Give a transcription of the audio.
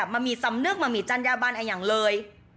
มันมีสำนึกมามีจัญญาบันอย่างเลย